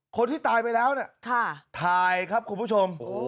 คนที่ตายไปแล้วเนี่ยถ่ายครับคุณผู้ชม